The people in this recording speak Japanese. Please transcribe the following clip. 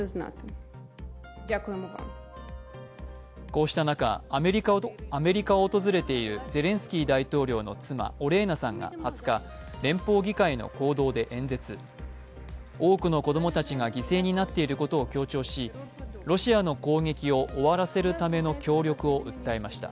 こうした中、アメリカを訪れているゼレンスキー大統領の妻、オレーナさんが２０日、連邦議会の講堂で演説多くの子供たちが犠牲になっていることを強調し、ロシアの攻撃を終わらせるための協力を訴えました。